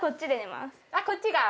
あっこっちが。